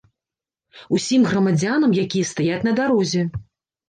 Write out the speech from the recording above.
Усім грамадзянам, якія стаяць на дарозе.